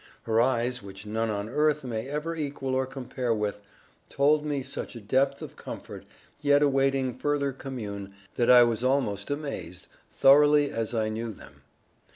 Her eyes, which none on earth may ever equal or compare with, told me such a depth of comfort, yet awaiting further commune, that I was almost amazed, thoroughly as I knew them.